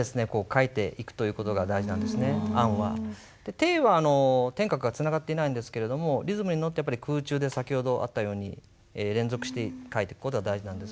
「定」は点画がつながっていないんですけどもリズムに乗って空中で先ほどあったように連続して書いていく事が大事なんです。